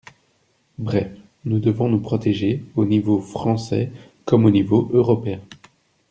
Bref, nous devons nous protéger, au niveau français comme au niveau européen.